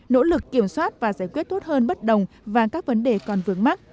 nỗ lực kiểm soát và giải quyết tốt hơn bất đồng và các vấn đề còn vướng mắt